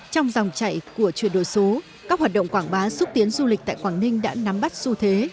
trong dòng chạy của chuyển đổi số các hoạt động quảng bá xúc tiến du lịch tại quảng ninh đã nắm bắt xu thế